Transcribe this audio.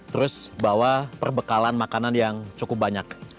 terus bawa perbekalan makanan yang cukup banyak